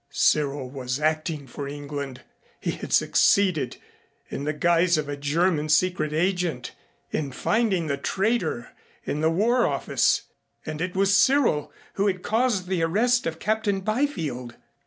Cyril was acting for England. He had succeeded, in the guise of a German secret agent, in finding the traitor in the War Office, and it was Cyril who had caused the arrest of Captain Byfield.